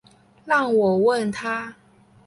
让我问他